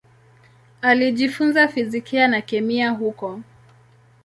Alijifunza fizikia na kemia huko.